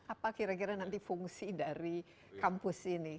apa kira kira nanti fungsi dari kampus ini